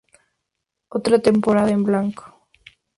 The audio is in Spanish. Otra temporada en blanco.